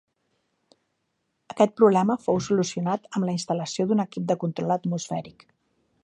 Aquest problema fou solucionat amb la instal·lació d'un equip de control atmosfèric.